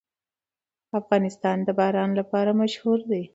افغانستان د باران لپاره مشهور دی.